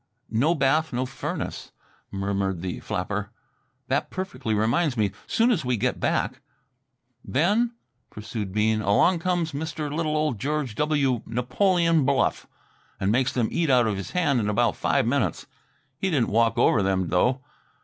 "No bath, no furnace," murmured the flapper. "That perfectly reminds me, soon as we get back " "Then," pursued Bean, "along comes Mr. little old George W. Napoleon Bluff and makes them eat out of his hand in about five minutes. Didn't he walk over them, though?